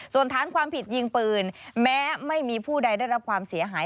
ส่วนฐานความผิดยิงปืนแม้ไม่มีผู้ใดได้รับความเสียหาย